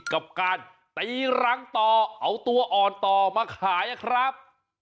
กับการตีรังต่อเอาตัวอ่อนต่อมาขายนะครับ